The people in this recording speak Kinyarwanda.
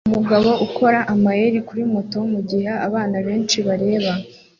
Umugabo akora amayeri kuri moto mugihe abantu benshi bareba